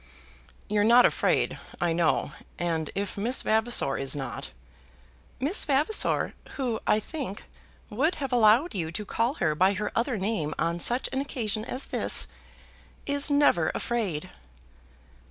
"You're not afraid, I know, and if Miss Vavasor is not " "Miss Vavasor, who, I think, would have allowed you to call her by her other name on such an occasion as this, is never afraid."